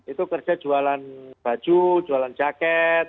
itu kerja jualan baju jualan jaket